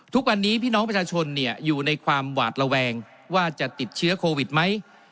ทุกวันนี้พี่น้องประชาชนอยู่ในความหวาดระแวงว่าจะติดเชื้อโควิดไหม